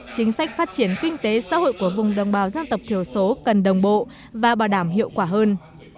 chính sách phát triển kinh tế xã hội của vùng đồng bào dân tộc thiểu số cần đồng bộ và bảo đảm hiệu quả hơn